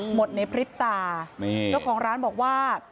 หมดในพริบตาแล้วของร้านบอกว่า